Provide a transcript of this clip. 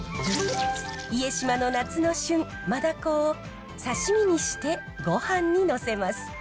家島の夏の旬マダコを刺身にしてごはんにのせます。